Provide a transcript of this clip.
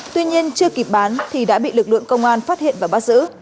tuy nhiên chưa kịp bán thì đã bị lực lượng công an phát hiện và bắt giữ